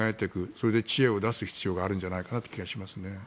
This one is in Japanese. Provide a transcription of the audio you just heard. それで、知恵を出す必要があるんじゃないかなという気がしますね。